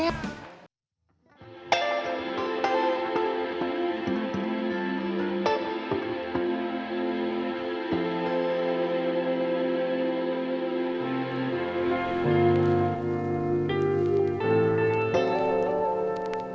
ya udah kita ke toilet dulu